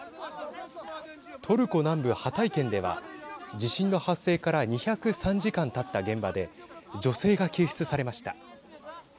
トルコ南部ハタイ県では地震の発生から２０３時間たった現場で女性が救出されました。